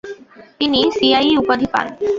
তিনি সিআইই উপাধি পান।